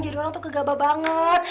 jadi orang tuh kegaba banget